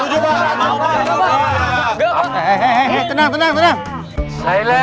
bisa dipersatukan daripada nanti terjadi sesuatu bagaimana bapak betul ya pak